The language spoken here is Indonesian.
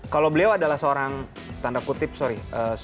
kalau beliau adalah seorang tanda kutip sorry